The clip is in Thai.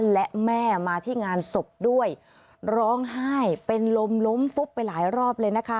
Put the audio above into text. และแม่มาที่งานศพด้วยร้องไห้เป็นลมล้มฟุบไปหลายรอบเลยนะคะ